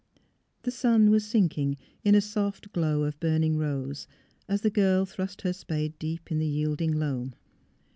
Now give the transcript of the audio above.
The sun was sinking in a soft glow of burning rose as the girl thrust her spade deep in the yield ing loam.